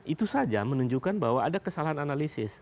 itu saja menunjukkan bahwa ada kesalahan analisis